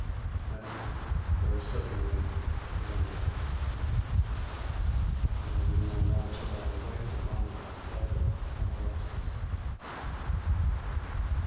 Then very suddenly it ended, and I knew no more till I awaked upon a bed of convalescence.